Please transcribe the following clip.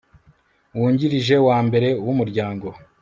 wungirije wa mbere w umuryango